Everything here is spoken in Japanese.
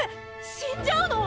死んじゃうの？